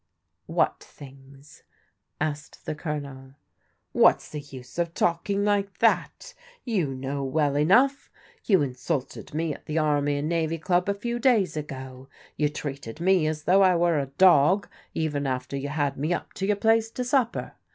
What things ?" asked the Colonel. What's the use of talking like that ? You know well enough. You insulted me at the Army and Navy Club a few days ago. You treated me as though I were a dog, even after you had me up to your place to supper.